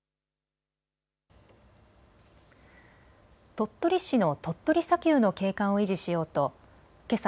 鳥取市の鳥取砂丘の景観を維持しようとけさ